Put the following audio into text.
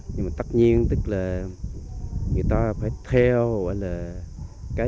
nhưng mà tất nhiên tức là người ta phải theo gọi là cái